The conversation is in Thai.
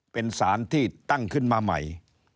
เป็นสารที่ตั้งขึ้นมาใหม่